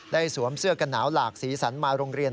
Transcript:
สวมเสื้อกันหนาวหลากสีสันมาโรงเรียน